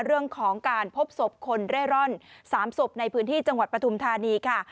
เรื่องของการพบศพคนเร่ร่อน๓ศพในพื้นที่จังหวัดปฐุมธานีค่ะ